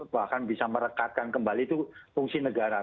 bahkan bisa merekatkan kembali itu fungsi negara